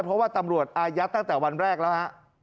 เพราะว่าตำรวจอายัดตั้งแต่วันแรกแล้วฮะ